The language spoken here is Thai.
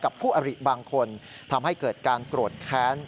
คู่อริบางคนทำให้เกิดการโกรธแค้น